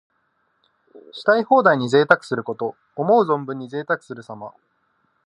したい放題に贅沢すること。思う存分にぜいたくするさま。